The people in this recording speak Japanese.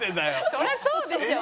そりゃそうでしょ。